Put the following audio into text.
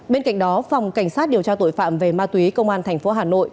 bên cạnh đó phòng cảnh sát điều tra tội phạm về ma túy công an tp hà nội